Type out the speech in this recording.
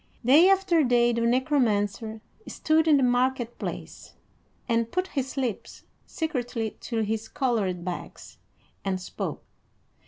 Day after day the Necromancer stood in the market place, and put his lips secretly to his colored bags, and spoke.